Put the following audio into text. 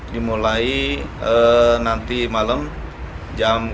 dimulai nanti malam jam